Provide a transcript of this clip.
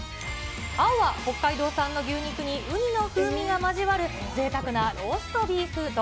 青は北海道産の牛肉に、ウニの風味が交わるぜいたくなローストビーフ丼。